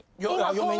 嫁に？